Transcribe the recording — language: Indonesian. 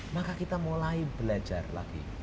maka kita mulai belajar lagi